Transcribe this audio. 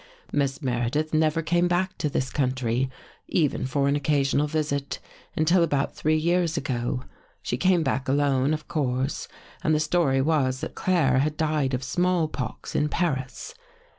Miss Meredith never came back to this country, even for an occasional visit, until about three years ago. She came back alone, of course, and the story was that Claire had died of small pox in Paris.